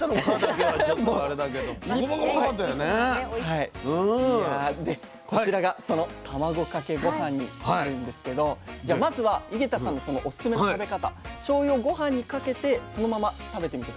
いやねこちらがその卵かけごはんになるんですけどじゃあまずは弓削多さんのそのオススメの食べ方しょうゆをごはんにかけてそのまま食べてみて下さい。